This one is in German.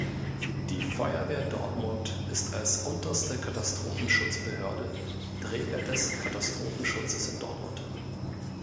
Die Feuerwehr Dortmund ist als unterste Katastrophenschutzbehörde Träger des Katastrophenschutzes in Dortmund.